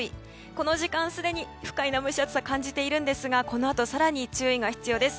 この時間、すでに不快な蒸し暑さ感じているんですがこのあと更に注意が必要です。